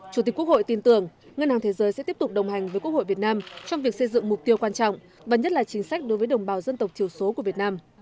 chủ tịch quốc hội tin tưởng ngân hàng thế giới sẽ tiếp tục đồng hành với quốc hội việt nam trong việc xây dựng mục tiêu quan trọng và nhất là chính sách đối với đồng bào dân tộc thiểu số của việt nam